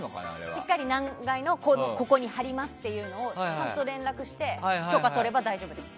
しっかり、何階のここに貼りますっていうのをちゃんと連絡して許可を取れば大丈夫です。